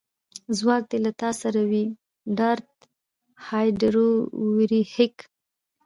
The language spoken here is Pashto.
ځواک دې له تا سره وي ډارت هارډویر هیک